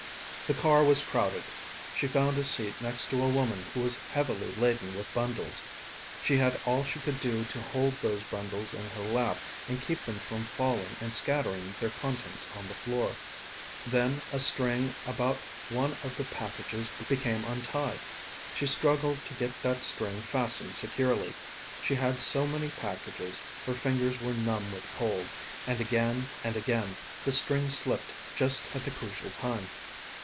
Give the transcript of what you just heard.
The car was crowded. She found a seat next to a woman who was heavily laden with bundles. She had all she could do to hold those bundles in her lap and keep them from falling and scattering their contents on the floor. Then a string about one of the packages became untied. She struggled to get that string fastened securely. She had so many packages, her fingers were numb with cold, and again and again the string slipped just at the crucial time.